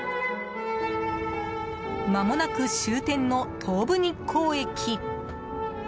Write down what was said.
まもなく終点の東武日光駅。